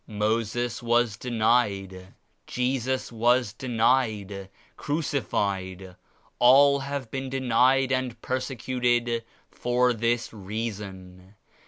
Moses was denied; Jesus was denied, crucified; all have been denied and persecuted for this reason.